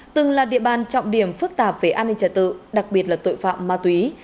từng là địa bàn trọng điểm phức tạp về an ninh trật tự đặc biệt là tội phạm ma túy